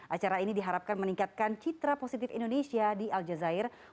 acara ini diharapkan meningkatkan citra positif indonesia di aljazeera